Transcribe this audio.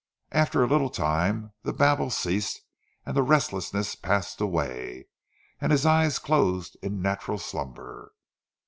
After a little time the babble ceased, the restlessness passed away, and his eyes closed in natural slumber.